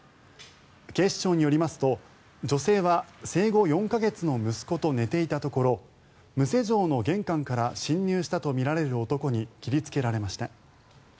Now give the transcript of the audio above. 警視庁によりますと女性は生後４か月の息子と寝ていたところ無施錠の玄関から侵入したとみられる男に切りつけられました。